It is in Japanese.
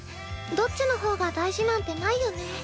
どっちの方が大事なんてないよね。